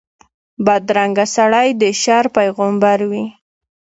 بدرنګه سړی د شر پېغمبر وي